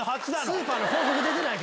スーパーの広告出てない！